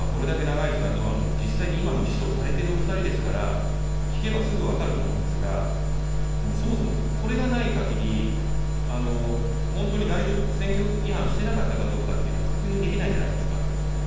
これだけ長い時間、実際に今も秘書をされているお２人ですから、聞けばすぐに分かると思うんですが、そもそも、これがないかぎり、本当に選挙違反してなかったかどうかというのを、確認できないじゃないですか。